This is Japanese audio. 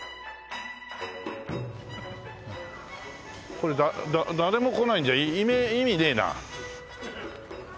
これだ誰も来ないんじゃ意味ねえな。